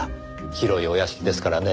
広いお屋敷ですからねぇ。